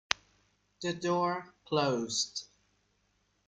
The door closed.